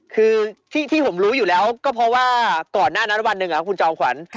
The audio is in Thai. คือที่ผมรู้อยู่แล้วก็เพราะว่าก่อนหน้านั้นวันหนึ่งคุณจอมขวัญ